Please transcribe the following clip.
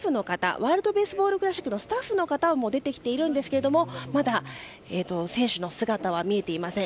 ワールド・ベースボール・クラシックのスタッフの方は出てきているんですがまだ選手の姿は見えていません。